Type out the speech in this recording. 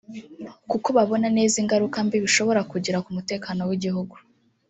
kuko babona neza ingaruka mbi bishobora kugira ku mutekano w’igihugu